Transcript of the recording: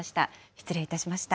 失礼いたしました。